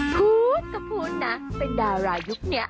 พูดก็พูดนะเป็นดารายุคนี้